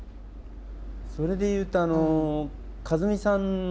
それで言うと一美さんの。